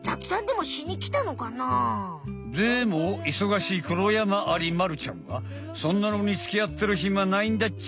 でもいそがしいクロヤマアリまるちゃんはそんなのにつきあってるひまないんだっち！